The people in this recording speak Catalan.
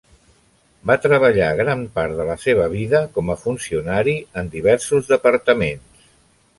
Va treballar gran part de la seva vida com a funcionari en diversos departaments.